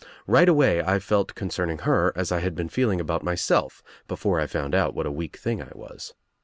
Right away I felt concerning her as I had been feeling about myself before I found out what a weak thing I was.